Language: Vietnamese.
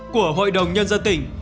của hội đồng nhân dân tỉnh